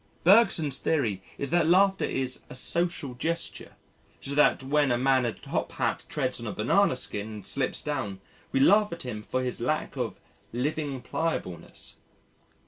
Bergson's theory is that laughter is a "social gesture" so that when a man in a top hat treads on a banana skin and slips down we laugh at him for his lack "of living pliableness."